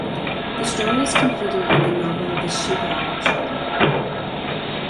The story is completed in the novel "The Shiva Option".